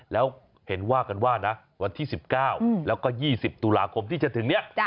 แล้วเห็นว่ากันว่านะวันที่๑๙แล้วก็๒๐ตุลาคมที่จะถึงนี้